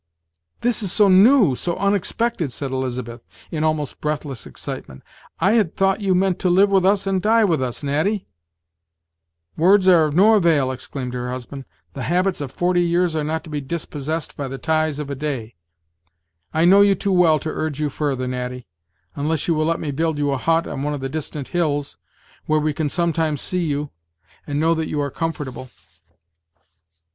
"This is so new! so unexpected!" said Elizabeth, in almost breathless excitement; "I had thought you meant to live with us and die with us, Natty." "Words are of no avail," exclaimed her husband: "the habits of forty years are not to be dispossessed by the ties of a day. I know you too well to urge you further, Natty; unless you will let me build you a hut on one of the distant hills, where we can sometimes see you, and know that you are comfortable."